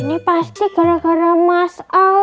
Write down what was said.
ini pasti gara gara masak